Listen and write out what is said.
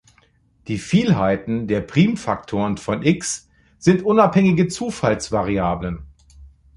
Die Vielheiten der Primfaktoren von "X" sind unabhängige Zufallsvariablen.